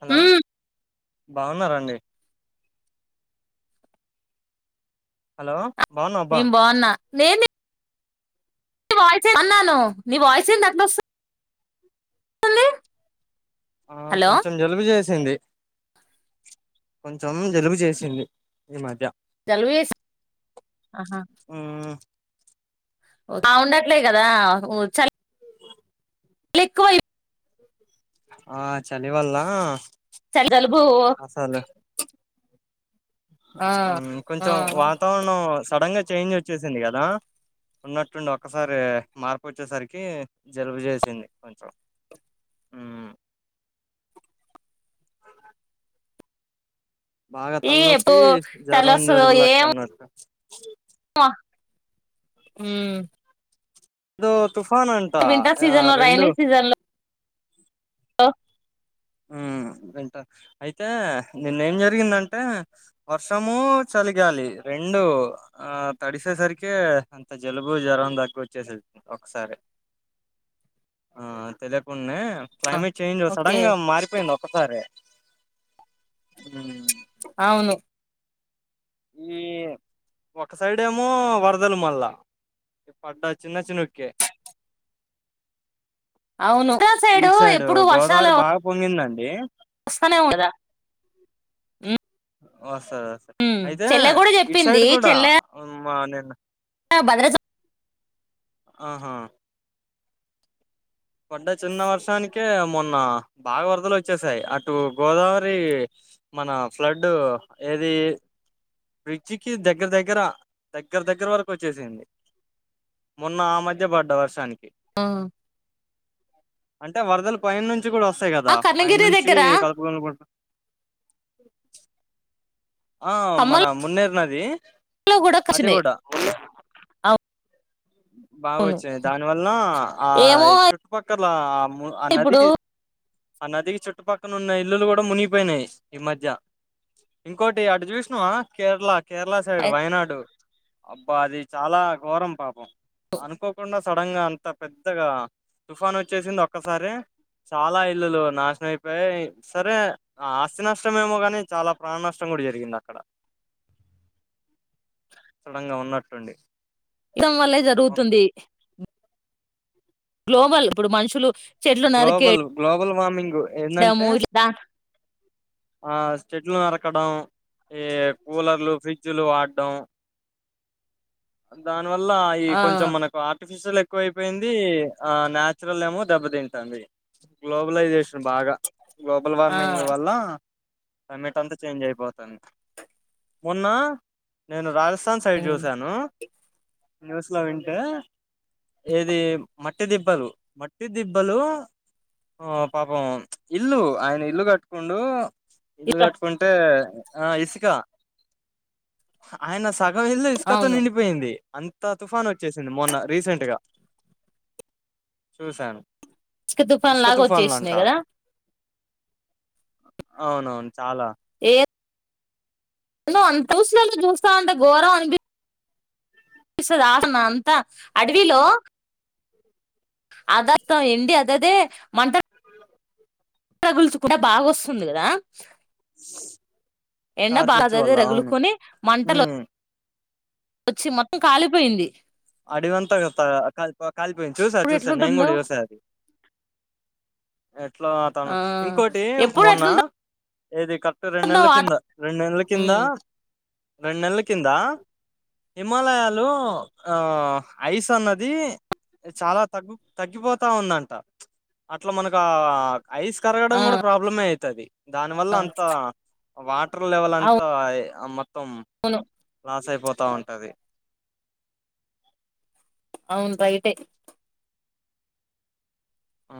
Hello బాగున్నారా అండి hello బాగున్నా అబ్బా నేను బాగున్నా నే వాయిస్ అన్నాను నీ వాయిస్ ఏంది అట్లా వస్త ఆ హలో కొంచెం జలుబు చేసి కొంచెం జలుబు చేసింది ఈ మధ్య జలుబు చేసి ఆహా మ్మ్ బాగుండట్లేదు కదా చ ఎక్కువై ఆ చలివల్ళ చలదలు బూ ఆ కొంచెం వాతావరణం సడన్ గా చేంజ్ వచ్చేసింది కదా ఉన్నట్టుండి ఒక్కసారి మార్పు వచ్చేసరికి జలుబు చేసింది కొంచెం ఆ [unintelligible] బాగా ఈ ఎప్పు తలనొప్పి చలి జ్వరం వస్తదో జలుబు లక్క ఏమో అన్నట్టు ఉమ్ అదో తుఫాన్ అంట వింటర్ సీజన్ రెండు ఆ వింట అయితే నిన్న ఏం జరిగిందంటే వర్షము చ చలిగాలి రెండు ఆ తడిసేసరికిే అంత జలుబు జ్వరం దగ్గు వచ్చేసే ఒకసారి ఆ తెలియకుండానే క్లైమేట్ చేంజ్ ఓకే సడన్ గా మారిపోయింది ఒక్కసారి అవును ఈ ఒక సైడ్ ఏమో వరదలు మళ్ళా ఇ పడ్డ చిన్న చిన్నకే అవును ఉత్త సైడు ఎప్పుడు గోదావరి వర్షాలు బాగా పొంగిందండి వస్తానే ఉదా వస్తంది వస్తే అయితే కూడా ఇటు చెప్పింది సైడ్ కూడా మా నిన్న బద్ర ఆహా పడ్డ చిన్న వర్షానికే మొన్న బాగా వరదలు వచ్చేసాయి అటు గోదావరి మన ఫ్లడ్ ఏది బ్రిడ్జికి దగ్గర దగ్గర దగ్గర దగ్గర వరకు వచ్చేసింది మొన్న ఆ మధ్య పడ్డ వర్షానికి అంటే వరదలు పైన నుంచి కూడా వస్తాయి ఆ కదా పై కర్ణగిరి నుంచి దగ్గర కలుపుగలుకుంట [inaudible] ఆ మన మున్నేరునది లో గూడా కషమే బాగు వచ్చింది దాని వల్ల ఆ ఏమో చుట్టుపక్కల ఆ ఆ ఇప్పుడు నదికి ఆ నదికి చుట్టుపక్కన ఉన్న ఇల్లులు కూడా మునిగిపోయినాయి ఈ మధ్య ఇకోటి అటు చూసినవా కేరళ కేరళ సైడ్ వయనాడు పా అది చాలా ఘోరం పాపం అనుకోకుండా సడన్ గా అంత పెద్దగా తుఫాన్ వచ్చేసింది ఒక్కసారి చాలా ఇల్లులు నాశనం అయిపోయా సరే ఆస్తి నష్టం ఏమో కాని చాలా ప్రాణ నష్టం కూడా జరిగింది అక్కడ సడన్ గా ఉన్నట్టుండి ఇద్ం వల్లే జరుగుతుంది గ్లోబల్ ఇప్పుడు మనుషులు చెట్లు గ్లోబల్ నరికేయడము గ్లోబల్ వార్మింగ్ ఏంటంటే ఇట్లా ఆ చెట్లు నరకడం ఈ కూలర్లు ఫ్రిడ్జ్ లు వాడ్డం దాన్ ని వల్ల ఈ ఆ కొంచెం మనకు ఆర్టిఫిషియల్ ఎక్కువ అయిపోయింది ఆ నేచురల్ ఏమో దెబ్బతిం తంది గ్లోబలైజేషన్ బాగా గ్లోబల్ ఆ వార్మింగ్ వల్ల క్లైమేట్ అంతా చేంజ్ అయిపోతుంది మొన్న నేను రా స్సాం సైడ్ చూశాను న్యూస్ లో వింటే ఏది మట్టి దిబ్బలు మట్టి దిబ్ బ్బలు ఆ పాపం ఇల్లు ఆయన ఇల్లు కట్టుకుండు ఇల్లు ఇక కట్టుకుంటే ఆ ఇసుక ఆయన సా ఆ ఇల్లు ఇసుకతో అవును నిండిపోయింది అంత తుఫాను వచ్చేసింది మొన్న రీసెంట్గా చూశాను ఇసుక తుఫాన్ ఇసక లాగా వచ్చేసినాయి తూఫన్లంటా కదా అవునవును చాలా నో అంతూసినోళ్ళని చూస్తా ఉంటే ఘోరం అనిపి పిస్సది ఆటనా అంతా అడవిలో ఆదత్తం ఎండి అదదే మంట రగుల్సుకునే బాగా వస్సుంది కదా ఎండ కార్ బా చిచ్చు అదే వల్ల అవును రగులుకని మంటలు ఉమ్ వచ్చి మొత్తం కాలిపోయింది అడివంతా గతా కాల్ పో కాలిపోయిన్ది చూసా ఇప్పుడు చూసాను నేను ఎట్లుంటుందో కూడా చూసా అది ఎట్లా తను ఆ ఇంకోటి ఎప్పుడు మొన్న ఎట్లుంటుందో ఏది కరెక్ట్ రెండు నెల్ల వాతా కింద రెండు నెల్ల కింద రెండు నెల్ల కింద హిమాలయాలు ఆ ఐస్ అన్నది చాలా తగ్గు తగ్గిపోతా ఉందంట అట్ల మనకా ఐస్ కరగడం ఆ కూడా ప్రాబ్లమే అయితది దాని వల్ల అంత వాట్ ర్ లెవెల్ అంతా మొత్తం వును అస అయిపోతా ఉంటది అవును రైటే ఆ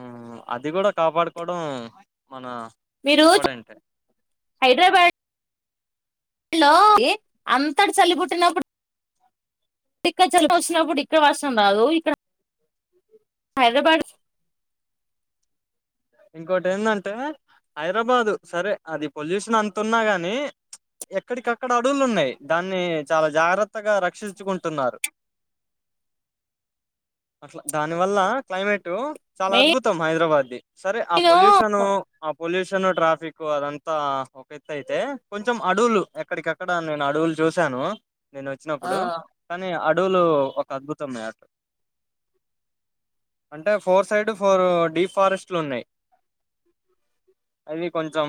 అది కూడా కాపాడుకోవడం మన మీరు చు ఇంపార్టెంట్ హైడ్రాబాడ్ లో ఎ అంతటి చల్లి పుట్టినప్పుడ్ ఇక్కడ చల్ వచ్చినప్పుడు ఇక్కడ వర్షం రాదు ఇక్కడ హైదరాబాడ్ ఇంకోటి ఏందంటే హైదరాబాదు సరే అది పొల్యూషన్ అంత ఉన్నా గాని ఎక్కడికక్కడ అడవులు ఉన్నాయి దాన్ని చాలా జాగ్రత్తగా రక్షించుకుంటున్నారు అట్ల దాని వల్ల క్లైమేట్ టు చాలా మెయిన్ అద్భుతం హైదరాబాద్ది సరే ఆ పొల్యూషన్ ఆ పొల్యూషన్ ట్రాఫ్ ఫిక్ అదంతా ఒక ఎత్తయితే కొంచెం అడవులు ఎక్కడికక్కడా నేను అడవులు చూశాను నేను ఆ వచ్చినప్పుడు కానీ అడవులు ఒక అద్భుతమ్ యర్ అంటే ఫోర్ సైడ్ ఫోర్ డిఫారెస్ట్ ట్లున్నాయి అవి కొంచెం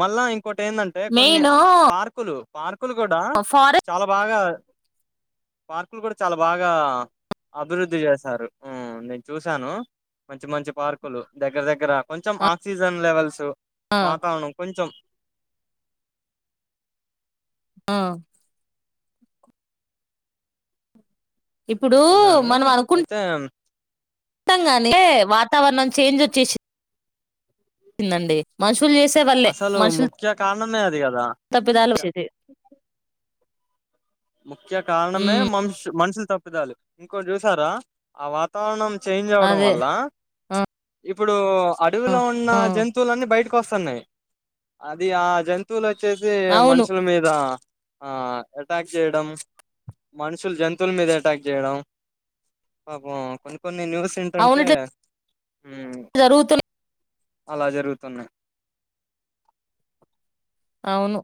మళ్ళా ఇన్ ఇంకొటి ఏందంటే కొన్ని మెయిన్ అ పార్కులు పార్కులు కూడా ఫారెస్ట్ చాలా బాగా పార్కులు కూడా చాలా బాగా అభివృద్ధి చేశారు ఉమ్ నేను చూసాను మంచి మంచి పార్కులు దగ్గర దగ్గర కొంచెం ఆక్సిజన్ లెవెల్స్ ఆ వాతావరణం కొంచెం ఆ ఇప్పుడు చూశాను మనం అనుకున్ అయితే టామ్ గాని ఏ వాతావరణం చేంజ్ వచ్చేసి తున్ దండి మషులు చేసే వాళ్లే అసలు మషులు ముఖ్య కారణమే అది కదా తప్పిదాలు ముఖ్య సేది ముఖ్య కారణమే ఉమ్ మనుషు మనుషులు తప్పిదాలు ఇంకో చూసారా ఆ వాతావరణం చేంజ్ అవ్వడం అదే వల్ల ఇప్పుడు అడవిలో ఉన్న ఆ జంతువులన్నీ బయట వస్తున్నాయి అది ఆ జంతువులు వచ్చేసి అవును మనుషుల మీద ఆ ఎట్ మనుషులు జంతువుల మీద అటాక్ చేయడం పా కొన్ని కొన్ని న్యూస్ అవును ఏంటంటే ఇట్లా జరుగుతున్నాయి అలా జరుగుతున్నాయి అవును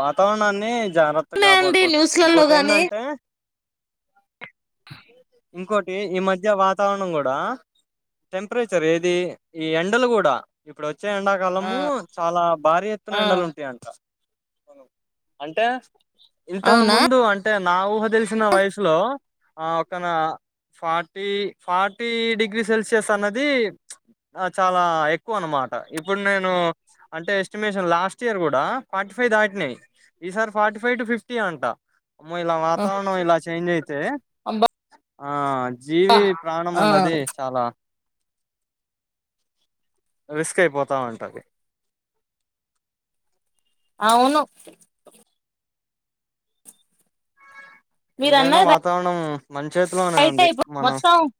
వాతావరణాన్ని జాగ్రత్త ఉన్నాయండి కాపాడుకోదు న్యూస్లలో ఇంకోటి గాని ఏంటంటే ఇంకోటి ఈ మధ్య వాతావరణం కూడ టెంపరేచర్ ఏది ఈ ఎండలు కూడ ఇప్పుడుచ్చ వచ్చే ఎండాకాలము చాలా భారీ ఆ ఎత్తున ఎండలు ఉంటాయంట అంటే ఇంత అవునా ముందు అంటే నావు తెలిసిన వయసులో ఆ ఒకన ఫార్టీ ఫార్టీ డిగ్రీ సెల్సియస్ అన్నది ఆ చాలా ఎక్కువ అన్నమాట ఇప్పుడు నేను అంటే ఎస్టిమేషన్ లాస్ట్ ఇయర్ కూడ ఫార్టీ ఫైవ్ దాటినయి ఈసారి ఫార్టీ ఫైవ్ టు ఫిఫ్టీ అంట అమ్మో ఇలా ఆ, వాతావరణం ఇలా చేంజ్ అయితే అబ్బా ఆ జీవి ప్రాణం ఆ అన్నది చాలా రిస్క్ అయిపోతాంటది అవును మీరు ఏదైనా అన్నది వాతావరణం మన చేతిలోనే రైట్ ఉంది అయిపో మనం మొత్తం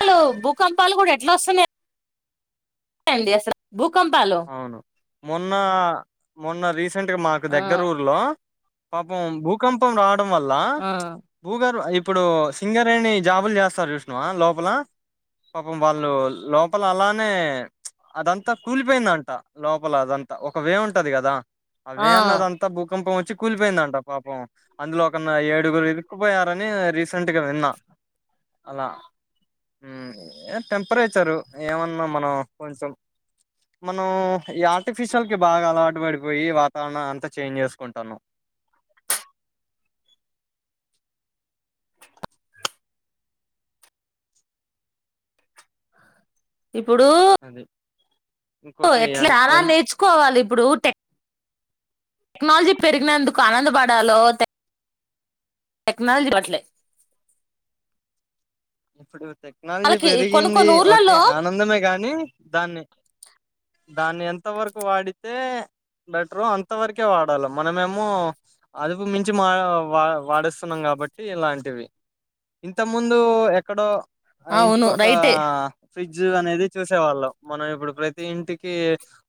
అసలు భూకంపాలు కూడా ఎట్లా వస్తున్నాయి డి అసలు భూకంపాలు అవును మొన్న మొన్న రీసెంట్గా మాకు ఆ దగ్గర ఊర్లో పాపం భూకంపం రావడం వల్ల ఆ భూగర్ ఇప్పుడు సింగరెని జాబులు చేస్తారు విష్ణవా లోపల పాపం వాళ్ళు లోపల అలానే అదంతా కూలి పోయిందంట లోపల అదంతా ఒక వే ఉంటది కదా ఆ వే అన్నదంతా భూకంపం వచ్చి కూలిపోయిందంట పాపం అందులో ఒక ఏడుగురు ఎరుక్కుపోయారని ర సెంట్గా విన్నా అలా టెంపరేచరు ఏమన్నా మనం కొంచెం మనం ఈ ఆర్టిఫిషియల్ కి బాగా అలవాటు పడిపోయి వాతావరణం అంతా చేంజ్ చేసుకుంటాన్నాం ఇప్పుడు అదే ఎట్లే అలా నేర్చుకోవాలి ఇప్పుడు టెక్ టెక్నాలజీ పెరిగినందుకు ఆనందపడాలో టెక్నాలజీ వాట్లే ఇప్పుడు టెక్నాలజీ కొన్ని పెరిగింది కొన్ని ఓ ఊర్లలో ఆనందమే కాని దాన్ని దాన్ని ఎంత వరకు వాడితే బెటరు అంత వరకే వాడాలి మనమేమో అదుపు మించి వా వాడిస్తున్నాం కదా కాబట్టిలాంటి ఇంత ముందు ఎక్కడో ఆ అవును ఇంటికి ఒక రైటే ఫ్రిడ్జ్ అనేది చూసేవాళ్ళం మనం ఇప్పుడు ప్రతి ఇంటికి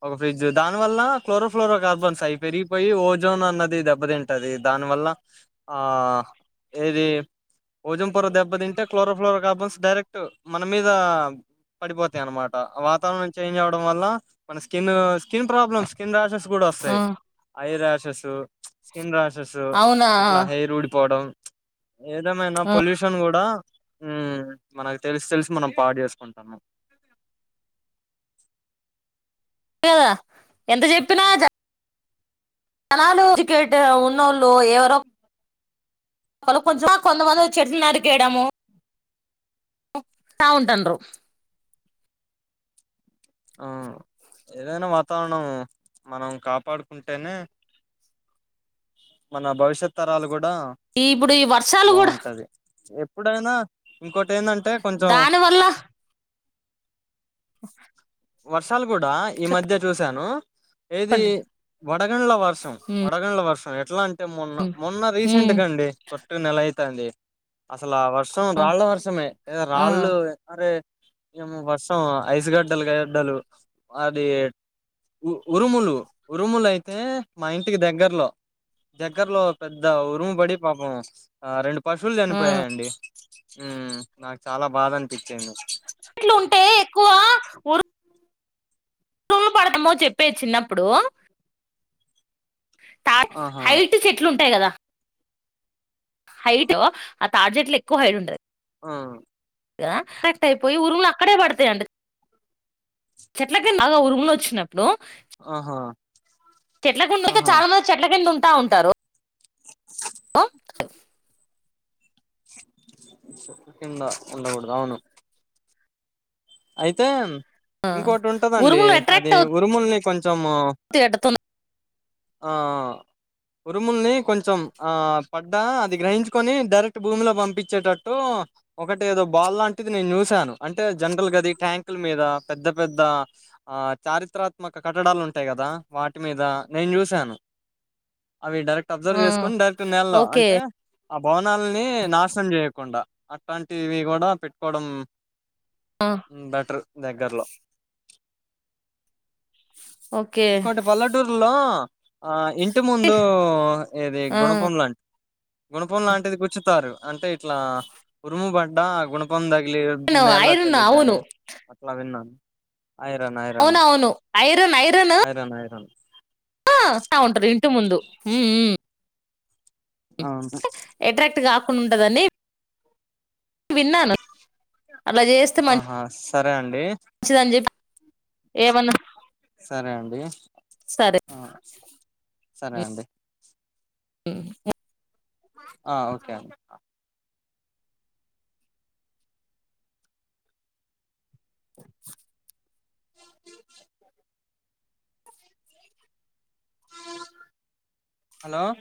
ఒక ఫ్రిడ్జ్ దాని వల్ల క్లోరోఫ్ క కార్బన్స్ అయి పెరిగిపోయి ఓజోన్ అన్నది దెబ్బతింటది దానివల్ల ఆ ఏది భోజంపుర దెబ్బ తింటే ఫ్లోరో ఫ్లోరో కార్బన్స్ డైరెక్ట్ మన మీద పడిపోతాయి అనమాట వాతావరణం చేంజ్ అవ్వడం వల్ల మన skin skin problem skin rashes కూడా ఆ, వస్తాయి ఐ ర్యాషెస్. స్కిన్ రాషెస్ అవునా ఇట్లా హెయిర్ ఊడిపోవడం. ఏదమైనా ఆ, పొల్యూషన్ కూడా. ఉమ్ మనకు తెలిసి తెలిసి మనం పాడు చేసుకుంటాము. చెప్పిన కదా ఎంత చెప్పినా చెప్. తలదూర కనాలోచికేట్ ఉన్నోళ్ళు ఎవరో. కొంచ కొంత వరకు కొంతమంది చెట్లు నరకడము ఉంటా ఉంటాన్ర. ఆ ఏదైనా వాతావరణం మనం కాపాడుకుంటేనే. మన భవిష్యత్ తరాలు బట్టి. ఈ ఇప్పుడు ఈ వర్షాలు కూడా. ఎప్పుడైనా ఇంకోటి ఏందంటే కొంచెం. దాని వల్ల వర్షాలు కూడా ఈ మధ్య చూశాను. ఏది వడగండ్ల వర్షం వడగండ్ల వర్షం ఎట్లా అంటే. అ మొన్న మొన్న రీసెంట్ హ్మ్ గా అండి కొట్టుగా నెల అతుంది అసలు ఆ. వర్షం రాళ్ళ వర్షమే ఆ రాళ్ళు మరే ఏము వర్షం ఐస్ గడలే. గుండలు అది. ఉ ఉరుములు ఉరుములు అయితే మా ఇంటికి దగ్గర్లో. దగ్గర్లో పెద్ద ఉరుము పడి పాపం అ రెండు. పశువులు ఆ చనిపోయాయిండి నాకు చాలా బాధ అనిపించింది. ఇట్లు ఉంటాయి ఎక్కువ ఊరు. ఉరుములు పడతామో చెప్పేది చిన్నప్పుడు. టా ఆహా హైట్ చెట్లు ఉంటాయి కదా‌. హైట్ ఆ తాడి చేట్లు ఎక్కువ హైట్ ఉంటది. హుమ్. కనెక్ట్ అయిపోయి ఉరుములు అక్కడే పడతాయండి. అగొ ఉరుములో వచ్చినప్పుడు. ఆహా. చెట్ల కింద ఆహా చాలా మంది చెట్ల కింద ఉంట ఉంటారు. ఆ. ఉండ ఉండకూడదు అవును. అయితే. ఆ ఇంకోటి ఉంటదండి ఉరుములు అది అట్రాక్ట్ ఉరుముల్ని కొంచం. అవుతాయట తొం ఆ. ఉరుముల్ని కొంచెం ఆ పడ్డా అది గ్రహించుకొని డైరెక్ట్ భూమిలో పంపించేటట్టు. ఒకటి ఏదో బాల్ లాంటిది నేను చూశాను అంటే జనరల్గా. ట్యాంకుల మీద పెద్ద పెద్ద ఆ చారిత్రాత్మక కట్టడాలు ఉంటాయి కదా వాటి మీద. నేను చూసాను. అవి డైరెక్ట్ అబ్జర్వ్ ఆ చేసుకొని డైరెక్ట్ నెలలో ఓకే అంటే. ఆ భవనాలని నాశనం చేయకుండా అట్లాంటివి కూడా పెట్టుకోవడం. ఆ బెటర్ దగ్గర్లో. ఓకే ఇంకోటి పల్లెటూరులో ఆ ఇం. ఇంటి ముందు ఇది ఆ గుణపం లాంటి గుణపం లాంటిది కూర్చుతారు. అంటే ఇట్లా ఉరుముబడ్డ గుణపం తగిలి ఐరన్ నేల్లోకి ఐరన్ అవును వెళ్ళిద్దని. అట్లా విన్నా. అవునా అవును ఐరన్ ఐరన్. ఆ ఉంటా ఇంటి ముందు. అవును ఎట్రాక్ట్ కాకుండా ఉంటదని. విన్నాను అలా చేస్తే మ ఆహా సరే అండి మంచిదిని చెప్పి. ఏమన్నారు‌. సరే అండి ఆ సరే అండి మ్మ్ ఆ ఓకే అండి హలో